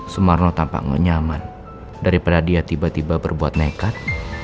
sumarno tampak ngenyaman daripada dia tiba tiba berbuat nekat